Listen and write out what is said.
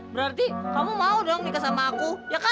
berarti kamu mau dong nikah sama aku ya kan